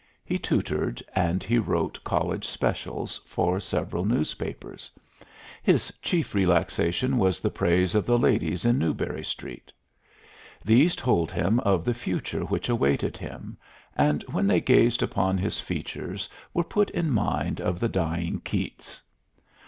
He tutored, and he wrote college specials for several newspapers. His chief relaxation was the praise of the ladies in Newbury Street. These told him of the future which awaited him, and when they gazed upon his features were put in mind of the dying Keats.